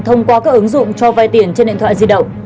thông qua các ứng dụng cho vai tiền trên điện thoại di động